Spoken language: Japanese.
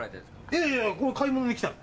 いやいやいや買い物で来たの。